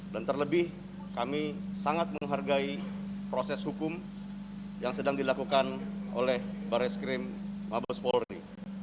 dan terlebih kami sangat menghargai proses hukum yang sedang dilakukan oleh bar eskrim mabes polri